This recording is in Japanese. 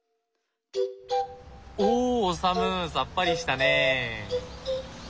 おオサムさっぱりしたね。